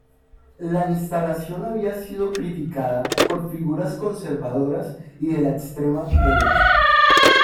La instalación había sido criticada por figuras conservadoras y de la extrema derecha.